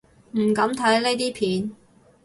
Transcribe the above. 唔敢睇呢啲片